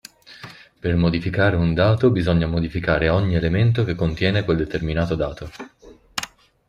Per modificare un dato bisogna modificare ogni elemento che contiene quel determinato dato.